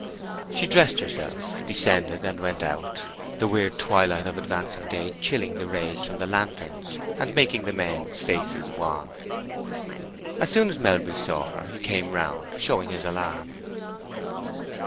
She dressed herself, descended, and went out, the weird twilight of advancing day chilling the rays from the lanterns, and making the men's faces wan. As soon as Melbury saw her he came round, showing his alarm.